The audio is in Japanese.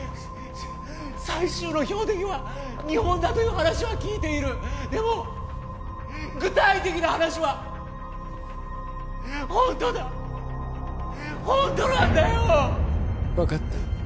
最終の標的は日本だという話は聞いているでも具体的な話はホントだホントなんだよー分かった